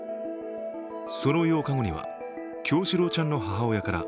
その８日後には、叶志郎ちゃんの母親から